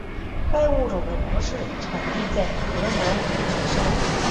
该物种的模式产地在海南五指山。